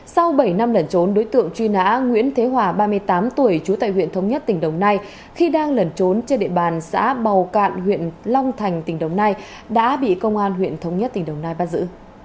sau bảy năm lẩn trốn đối tượng truy nã nguyễn thế hòa ba mươi tám tuổi trú tại huyện thống nhất tỉnh đồng nai khi đang lẩn trốn trên địa bàn xã bào cạn huyện long thành tỉnh đồng nai đã bị công an huyện thống nhất tỉnh đồng nai bắt giữ